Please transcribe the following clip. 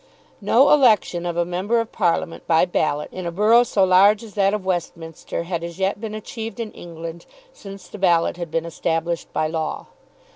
No election of a Member of Parliament by ballot in a borough so large as that of Westminster had as yet been achieved in England since the ballot had been established by law.